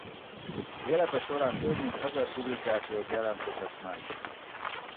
Élete során több mint ezer publikációt jelentetett meg.